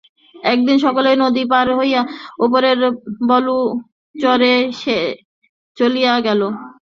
একদিন সকালেই নদী পার হইয়া ওপারে বালুচরে সে চলিয়া গেল।